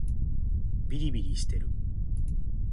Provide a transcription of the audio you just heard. びりびりしてる